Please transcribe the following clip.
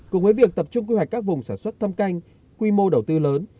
cùng với việc tập trung quy hoạch các vùng sản xuất thâm canh quy mô đầu tư lớn